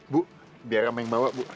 bu biar sama yang bawa bu